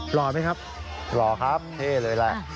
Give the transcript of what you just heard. หล่อไหมครับหล่อครับเท่เลยแหละ